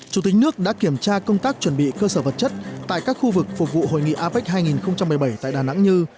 chủ tịch nước đã kiểm tra công tác chuẩn bị cơ sở vật chất tại các khu vực phục vụ hội nghị apec hai nghìn một mươi bảy tại đà nẵng như